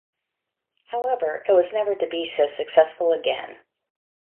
However, it was never to be so successful again.